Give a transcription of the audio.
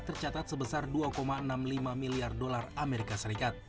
tercatat sebesar dua enam miliar dolar as